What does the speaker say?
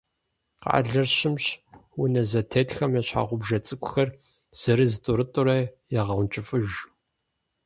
Къалэр щымщ. Унэ зэтетхэм я щхьэгъубжэ цӏыкӏухэр, зырыз-тӏурытӏурэ ягъэункӏыфӏыж.